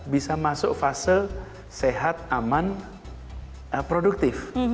bisa masuk fase sehat aman produktif